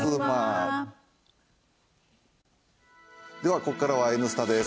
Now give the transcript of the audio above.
ここからは「Ｎスタ」です。